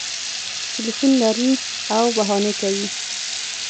ټلیفون لري او بهانې کوي